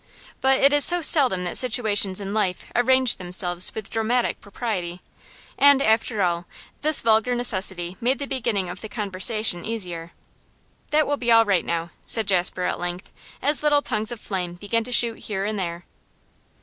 But it is so seldom that situations in life arrange themselves with dramatic propriety; and, after all, this vulgar necessity made the beginning of the conversation easier. 'That will be all right now,' said Jasper at length, as little tongues of flame began to shoot here and there.